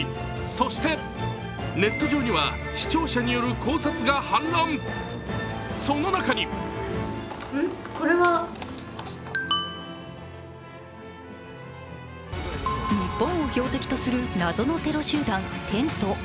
そして、ネット上には視聴者による考察が氾濫、その中に日本を標的とする謎のテロ集団、テント。